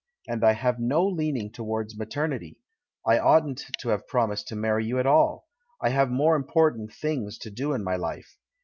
And I have no leaning towards maternity. I oughtn't to have promised to marry at all — I have more important things to do in my life.